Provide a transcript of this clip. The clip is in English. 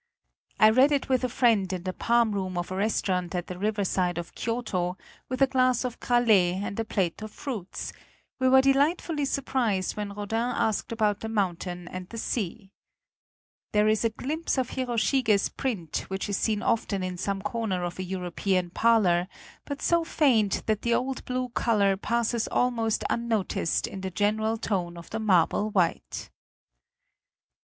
I read it with a friend in the palm room of a restaurant at the river side of Kyoto, with a glass of cralet and a plate of fruits; we were delightfully surprised when Rodin asked about the mountain and the sea. There is a glimpse of Hiroshige's print which is seen often in some corner of a Euro pean parlor, but so faint that the old blue color passes almost unnoticed in the general tone of the marble white.